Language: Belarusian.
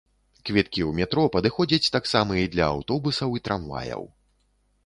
Квіткі ў метро падыходзяць таксама і для аўтобусаў і трамваяў.